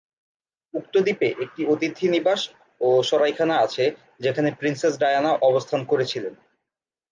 উক্ত দ্বীপে একটি অতিথি নিবাস ও সরাইখানা আছে যেখানে প্রিন্সেস ডায়ানা অবস্থান করেছিলেন।